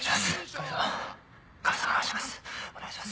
神様神様お願いします。